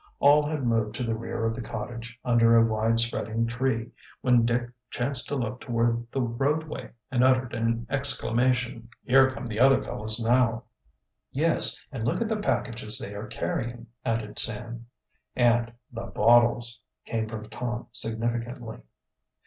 All had moved to the rear of the cottage, under a wide spreading tree, when Dick chanced to look toward the roadway and uttered an exclamation: "Here come the other fellows now!" "Yes, and look at the packages they are carrying," added Sam. "And the bottles," came from Tom significantly.